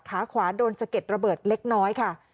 ขาขวาโดนสะเก็ดระเบิดเล็กน้อยค่ะ